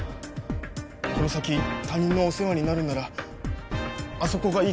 この先他人のお世話になるならあそこがいいかなって。